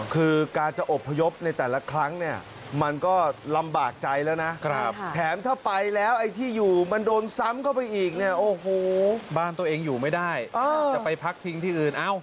คือการจะอบพยพในแต่ละครั้งนี่